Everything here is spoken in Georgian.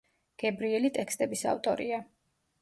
გებრიელი ტექსტების ავტორია.